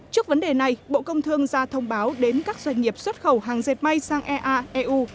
trước vấn đề này bộ công thương ra thông báo đến các doanh nghiệp xuất khẩu hàng dệt may sang ea eu